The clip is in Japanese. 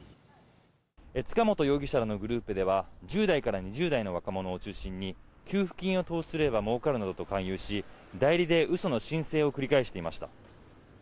塚本容疑者らのグループでは１０代から２０代の若者を中心に給付金を投資すればもうかるなどと勧誘し代理で嘘の申請を繰り返していました。